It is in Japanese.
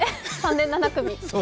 ３年７組。